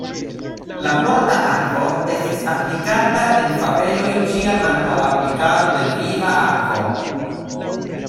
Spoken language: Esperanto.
La morta akvo estis aplikata en fabeloj ĉiam antaŭ aplikado de viva akvo.